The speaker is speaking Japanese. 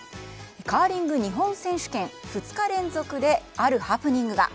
カーリング日本選手権２日連続であるハプニングが。